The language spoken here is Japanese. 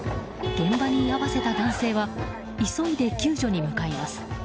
現場に居合わせた男性は急いで救助に向かいます。